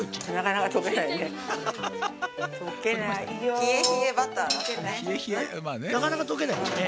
なかなか溶けないっちね。